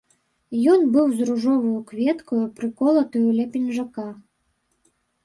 Ён быў з ружоваю кветкаю, прыколатаю ля пінжака.